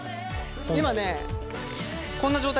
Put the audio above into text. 今ねこんな状態です。